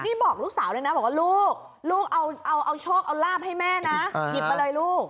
นี่บอกลูกสาวเลยนะบอกว่าลูกลูกเอาโชคเอาลาบให้แม่นะหยิบมาเลยลูก